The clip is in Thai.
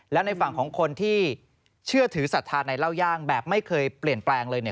แล้วในฝั่งของคนที่เชื่อถือศรัทธาในเล่าย่างแบบไม่เคยเปลี่ยนแปลงเลย